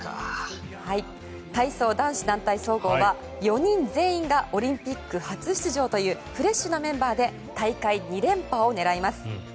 体操男子団体総合は４人全員がオリンピック初出場というフレッシュなメンバーで大会２連覇を狙います。